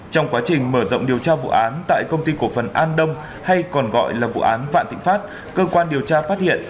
cho vụ án tại công ty cổ phần an đông hay còn gọi là vụ án vạn thịnh pháp cơ quan điều tra phát hiện